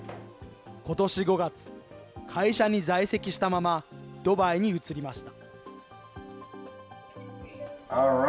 ことし５月、会社に在籍したまま、ドバイに移りました。